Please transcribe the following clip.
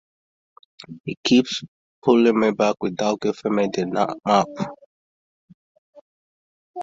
He keeps pulling me back without giving me the map.